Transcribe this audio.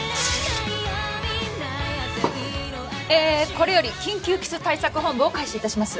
これより緊急キス対策本部を開始いたします